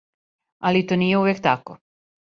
Али то није увек тако.